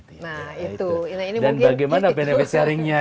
dan bagaimana benefit sharing nya